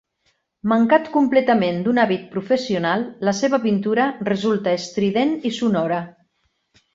Mancat completament d'un hàbit professional, la seva pintura resulta estrident i sonora.